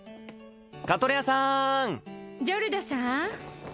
カトレアさんジョルドさん？